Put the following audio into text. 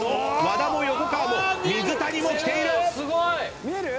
和田も横川も水谷も来ている！